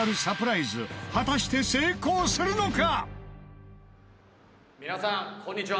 果たして成功するのか？